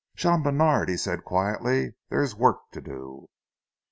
"Jean Bènard," he said quietly, "there is work to do."